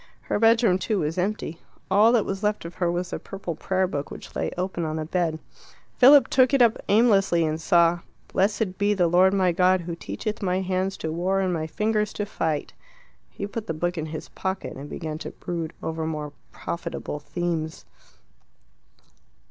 Her bedroom, too, was empty. All that was left of her was the purple prayer book which lay open on the bed. Philip took it up aimlessly, and saw "Blessed be the Lord my God who teacheth my hands to war and my fingers to fight." He put the book in his pocket, and began to brood over more profitable themes.